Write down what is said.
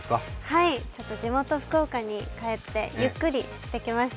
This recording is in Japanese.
はい、地元・福岡に帰ってゆっくりしてきました。